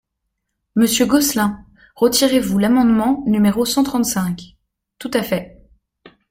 Monsieur Gosselin, retirez-vous l’amendement numéro cent trente-cinq ? Tout à fait.